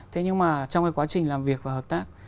thế nhưng mà trong cái quá trình làm việc và hợp tác